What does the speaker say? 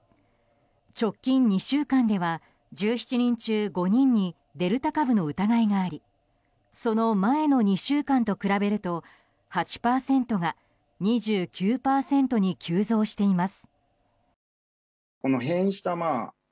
直近２週間では１７人中５人にデルタ株の疑いがありその前の２週間と比べると８％が２９％に急増しています。